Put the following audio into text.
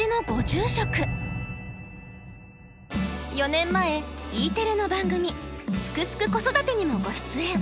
４年前Ｅテレの番組「すくすく子育て」にもご出演。